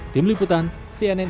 tim liputan cnn